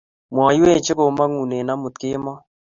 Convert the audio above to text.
Mwaiwech che komangune amut kemoi